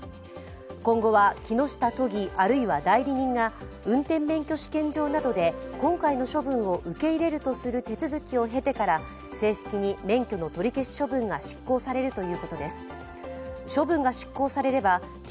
今後は木下都議、あるいは代理人が運転免許試験場などで、今回の処分を受け入れるとする手続きを経てから正式に免許の取り消し処分が執行されるということです。